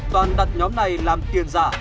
toàn đặt nhóm này làm tiền giả